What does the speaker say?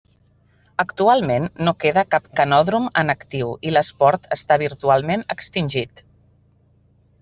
Actualment no queda cap canòdrom en actiu i l'esport està virtualment extingit.